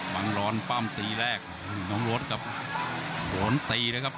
วังร้อนปั้มตีแรกน้องรถครับโดนตีเลยครับ